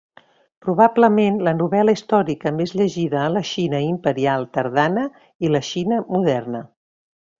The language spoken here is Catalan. Probablement la novel·la històrica més llegida a la Xina Imperial tardana i la Xina Moderna.